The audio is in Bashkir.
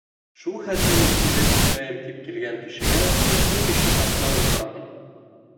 Шул хәтлем изгелек эшләйем тип килгән кешегә нисек ишек асмай ултыраһың.